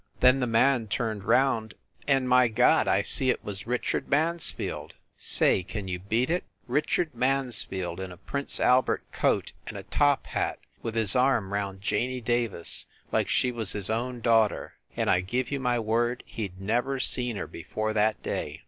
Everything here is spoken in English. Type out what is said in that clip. Then the man turned round, and my God, I see it was Rich ard Mansfield! Say, can you beat it? Richard Mansfield in a Prince Albert coat and a top hat with his arm round Janey Davis like she was his own daughter! And I give you my word he d never seen her before that day